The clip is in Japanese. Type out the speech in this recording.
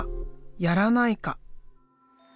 やらないか。